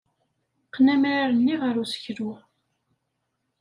Qqen amrar-nni ɣer useklu.